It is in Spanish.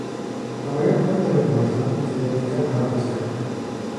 La mayor parte de la población se dedica a la pesca.